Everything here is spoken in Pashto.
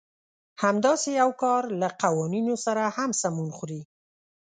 همداسې يو کار له قوانينو سره هم سمون خوري.